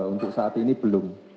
untuk saat ini belum